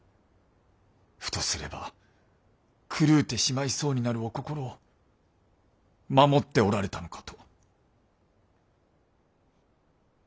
ふとすれば狂うてしまいそうになるお心を守っておられたのかと。